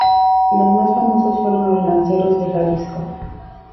Los más famosos fueron los Lanceros de Jalisco.